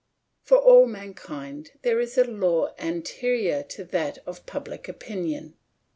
For all mankind there is a law anterior to that of public opinion.